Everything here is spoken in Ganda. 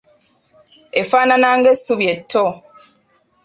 Efaanaana ng’essubi etto.